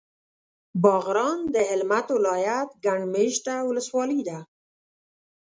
باغران د هلمند ولایت ګڼ مېشته ولسوالي ده.